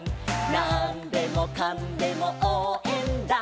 「なんでもかんでもおうえんだ！！」